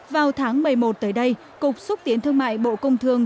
vào tháng một mươi một tới đây cục xúc tiến thương mại bộ công thương